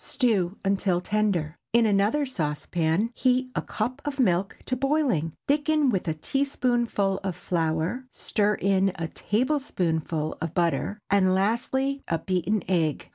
Stew until tender. In another saucepan heat a cup of milk to boiling, thicken with a teaspoonful of flour, stir in a tablespoonful of butter, and lastly, a beaten egg.